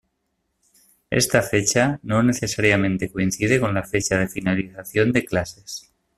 Esta fecha no necesariamente coincide con la fecha de finalización de clases.